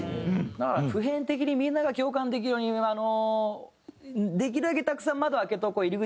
普遍的にみんなが共感できるようにあのできるだけたくさん窓開けておこう入り口